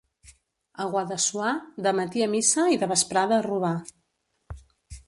A Guadassuar, de matí a missa i de vesprada a robar.